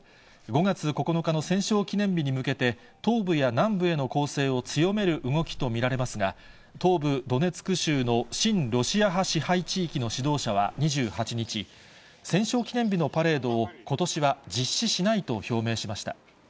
５月９日の戦勝記念日に向けて、東部や南部への攻勢を強める動きと見られますが、東部ドネツク州の親ロシア派支配地域の指導者は２８日、戦勝記念日のパレードを、ことしは実施しないと表明しました。